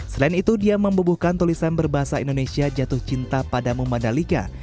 selain itu dia membubuhkan tulisan berbahasa indonesia jatuh cinta padamu mandalika